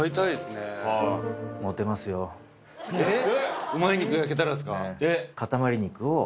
えっ！